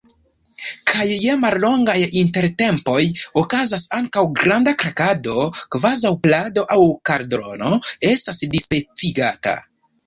Kaj je mallongaj intertempoj okazas ankaŭ granda krakado. kvazaŭ plado aŭ kaldrono estas dispecigata.